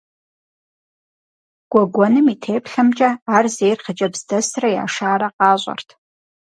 Гуэгуэным и теплъэмкӏэ, ар зейр хъыджэбз дэсрэ яшарэ къащӏэрт.